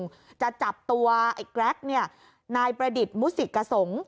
จะจับตัวไอ้แกรกเนี่ยนายประดิษฐ์มุสิกสงศ์